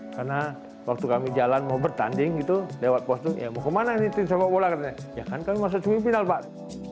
karena waktu kami jalan mau bertanding gitu lewat pos itu ya mau kemana ini tinsabawola katanya ya kan kami masuk semifinal pak